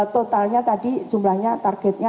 totalnya tadi jumlahnya targetnya